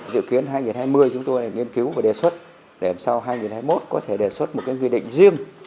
dự kiến hai nghìn hai mươi chúng tôi nghiên cứu và đề xuất để làm sao hai nghìn hai mươi một có thể đề xuất một quy định riêng